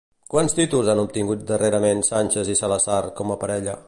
Quants títols han obtingut darrerament Sánchez i Salazar, com a parella?